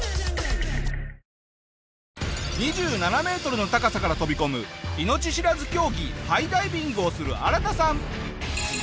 ２７メートルの高さから飛び込む命知らず競技ハイダイビングをするアラタさん。